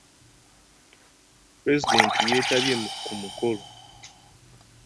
Pulezidenti yeetabye ku mukolo.